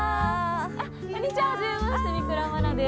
こんにちは初めまして三倉茉奈です。